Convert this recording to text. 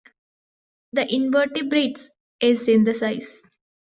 "The Invertebrates: A Synthesis".